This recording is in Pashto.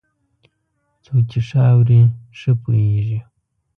څوک چې ښه اوري، ښه پوهېږي.